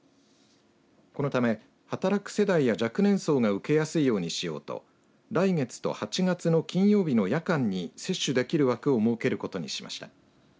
このため、働く世代や若年層が受けやすいようにしようと来月と８月の金曜日の夜間に接種できる枠を設けることにしました。